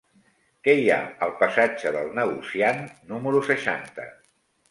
Què hi ha al passatge del Negociant número seixanta?